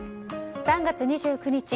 ３月２９日